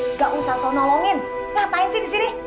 nggak usah so nolongin ngapain sih di sini